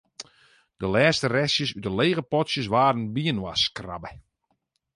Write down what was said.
De lêste restjes út de lege potsjes waarden byinoarskrabbe.